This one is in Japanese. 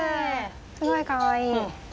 すごいかわいい。